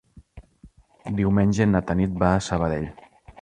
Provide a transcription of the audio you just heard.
Diumenge na Tanit va a Sabadell.